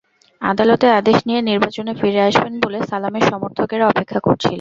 আদালতের আদেশ নিয়ে নির্বাচনে ফিরে আসবেন বলে সালামের সমর্থকেরা অপেক্ষা করছিলেন।